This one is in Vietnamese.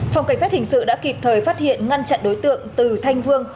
phòng cảnh sát hình sự đã kịp thời phát hiện ngăn chặn đối tượng từ thanh vương